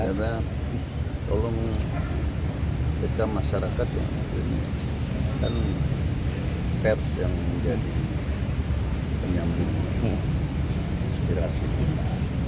karena tolong kita masyarakat yang begini kan vers yang menjadi penyambung inspirasi kita